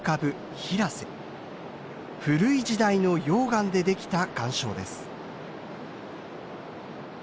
古い時代の溶岩でできた岩礁です。